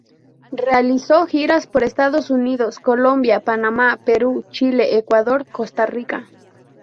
Realizó giras por Estados Unidos, Colombia, Panamá, Perú, Chile, Ecuador, Costa Rica.